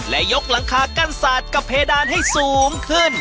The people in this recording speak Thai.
และยกหลังคากั้นศาสตร์กับเพดานให้สูงขึ้น